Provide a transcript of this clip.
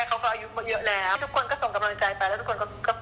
อยากให้เขาเวิร์ดกลับมาถึงแม้เขาจะเป็นน้องซึ่งทีเราไม่ได้เจอกันนานแต่เคยทำงานร่วมกัน